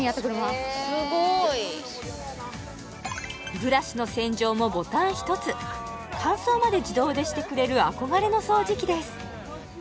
すごいブラシの洗浄もボタンひとつ乾燥まで自動でしてくれる憧れの掃除機です